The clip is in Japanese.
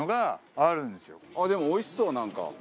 あっでもおいしそうなんか。